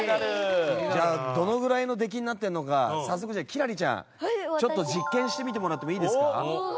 じゃあどのぐらいの出来になってるのか早速じゃあ輝星ちゃんちょっと実験してみてもらってもいいですか？